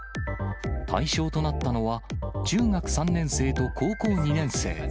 対象となったのは、中学３年生と高校２年生。